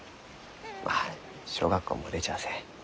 まあ小学校も出ちゃあせん。